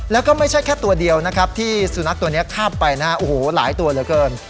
แล้วก็ไม่ใช่แค่ตัวเดียวนะครับที่สุนัขตัวนี้ข้ามไปนะฮะโอ้โหหลายตัวเหลือเกิน